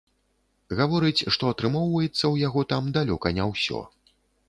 Гаворыць, што атрымоўваецца ў яго там далёка не ўсё.